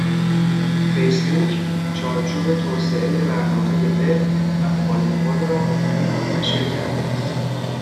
فیسبوک، چارچوب توسعه برنامه وب و موبایل خود را عمومی منتشر کرده است